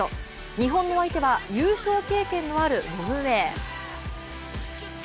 日本の相手は優勝経験のあるノルウェー。